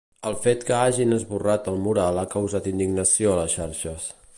El fet que hagin esborrat el mural ha causat indignació a les xarxes.